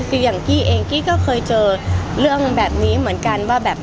คืออย่างกี้เองกี้ก็เคยเจอเรื่องแบบนี้เหมือนกันว่าแบบ